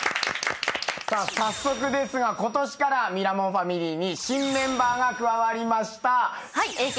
早速ですが今年からミラモンファミリーに新メンバーが加わりました。